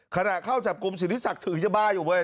ขณะเข้าจับกลุ่มสิทธิศักดิ์ถือยาบ้าอยู่เว้ย